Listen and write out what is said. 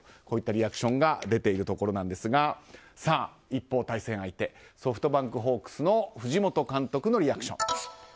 こういったリアクションが出ているところなんですが一方、対戦相手ソフトバンクホークスの藤本監督のリアクション。